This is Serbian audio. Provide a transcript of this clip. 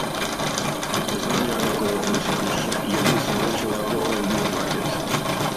Знам ја како ово функционише. Jедном сам већ овако одбио пакет.